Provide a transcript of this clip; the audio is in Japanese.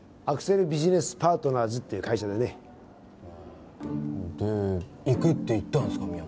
アクセル・ビジネスパートナーズっていう会社でねへえっで行くって言ったんすか？